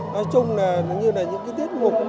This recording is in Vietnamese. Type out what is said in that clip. nói chung là như là những cái tiết mục